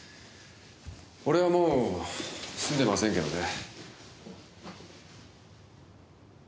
俺はもう住んでませんけどね。